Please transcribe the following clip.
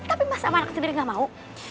tapi masa anak sendiri gak mau